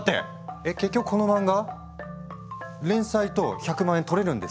えっ結局この漫画連載と１００万円取れるんですか？